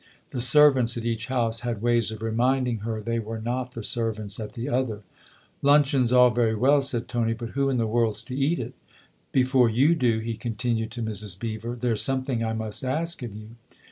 The servants at each house had ways of reminding her they were not the servants at the other. " Luncheon's all very well," said Tony, " but who in the world's to eat it ? Before you do," he THE OTHER HOUSE 85 continued, to Mrs. Beever, "there's something I must ask of you."